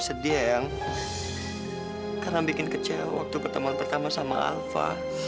jadi ayang karena bikin kecewa waktu ketemu pertama sama alva